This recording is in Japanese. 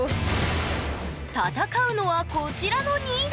戦うのはこちらの２台。